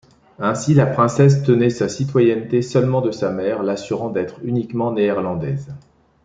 Ainsi, la princesse tenait sa citoyenneté seulement de sa mère, l’assurant d’être uniquement néerlandaise.